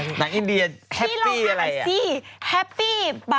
พี่ลองทำอะไรสิ